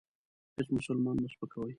هیڅ مسلمان مه سپکوئ.